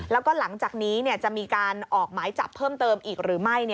แล้วก็หลังจากนี้จะมีการออกหมายจับเพิ่มเติมอีกหรือไม่